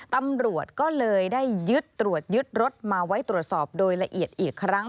ตำรวจก็เลยได้ยึดตรวจยึดรถมาไว้ตรวจสอบโดยละเอียดอีกครั้ง